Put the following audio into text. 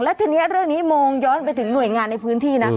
และทีนี้เรื่องนี้มองย้อนไปถึงหน่วยงานในพื้นที่นะ